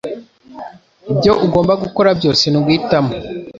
Ibyo ugomba gukora byose ni uguhitamo.